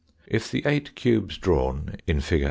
If the eight cubes drawn, in fig.